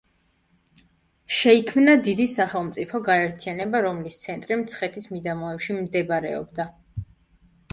შეიქმნა დიდი სახელმწიფო გაერთიანება, რომლის ცენტრი მცხეთის მიდამოებში მდებარეობდა.